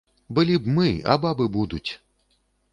Былі б мы, а бабы будуць!